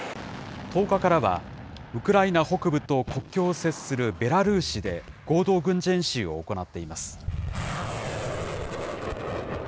１０日からは、ウクライナ北部と国境を接するベラルーシで合同軍事演習を行っています。